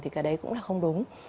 thì cả đấy cũng là không đúng